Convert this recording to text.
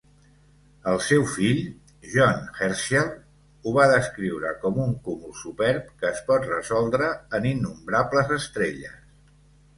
El seu fill, John Herschel, ho va descriure com "un cúmul superb que es pot resoldre en innombrables estrelles".